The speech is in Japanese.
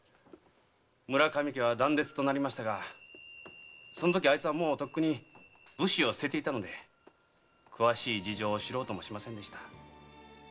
村上家は断絶となりましたがそのときあいつはもうとっくに武士を棄てていて詳しい事情を知ろうともしませんでした。